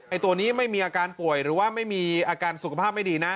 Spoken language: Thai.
ตัวนี้ไม่มีอาการป่วยหรือว่าไม่มีอาการสุขภาพไม่ดีนะ